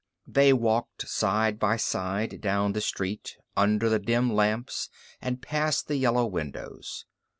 They walked side by side down the street, under the dim lamps and past the yellow windows.